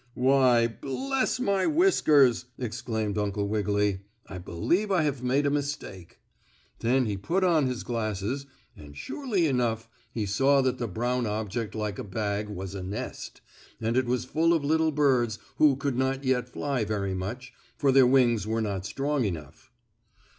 "Why, bless my whiskers!" exclaimed Uncle Wiggily. "I believe I have made a mistake." Then he put on his glasses, and surely enough he saw that the brown object like a bag was a nest, and it was full of little birds who could not yet fly very much, for their wings were not strong enough.